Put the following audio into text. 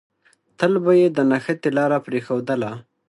تل به يې د نښتې لاره پرېښودله.